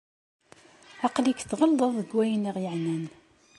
Aql-ik tɣelḍeḍ deg wayen i aɣ-yeɛnan.